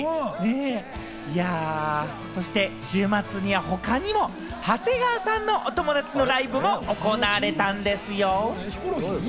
そして、週末には他にも長谷川さんの友達のライブも行われたんですよ。